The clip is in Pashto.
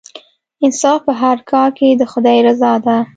انصاف په هر کار کې د خدای رضا ده.